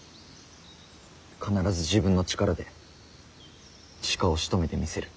必ず自分の力で鹿をしとめてみせる。